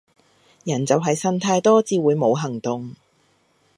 人就係呻太多至會冇行動